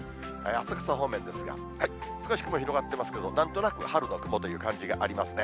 浅草方面ですが、少し雲広がってますけど、なんとなく春の雲という感じがありますね。